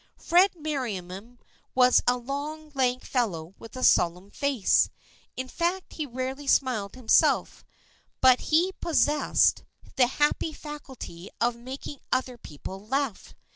Fred Mer riam was a long lank fellow with a solemn face. In fact he rarely smiled himself, but he possessed 134 THE FRIENDSHIP OF ANNE the happy faculty of making other people laugh.